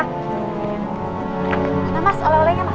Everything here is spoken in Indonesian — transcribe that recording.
mana mas oleh olehnya